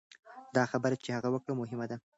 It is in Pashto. دا خبره چې هغه وکړه مهمه ده.